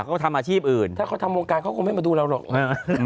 ก็ทำอาชีพอื่นถ้าเขาทำโบการค่ะก็ไม่มาดูเราหรอกฮือ